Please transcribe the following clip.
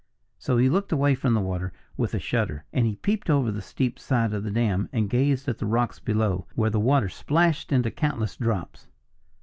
So he looked away from the water with a shudder. And he peeped over the steep side of the dam and gazed at the rocks below, where the water splashed into countless drops.